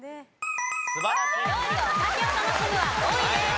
料理やお酒を楽しむは５位です。